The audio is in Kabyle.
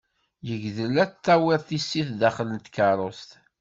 Yegdel ad d-tawiḍ tissit daxel n tkerrust.